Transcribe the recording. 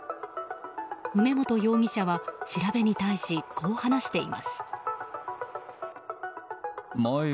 梅本容疑者は、調べに対しこう話しています。